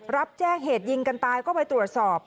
รับแจ้งเหตุยิงกันตายก็ไปตรวจสอบ